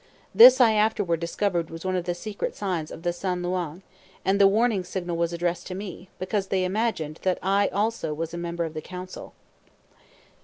This I afterward discovered was one of the secret signs of the San Luang; and the warning signal was addressed to me, because they imagined that I also was a member of the Council.